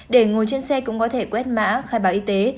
để ngồi trên xe cũng có thể quét mã khai báo y tế